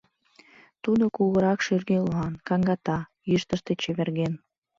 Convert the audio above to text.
Тудо кугурак шӱргӧ луан, каҥгата, йӱштыштӧ чеверген.